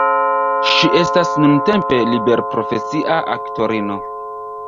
Ŝi estas nuntempe liberprofesia aktorino.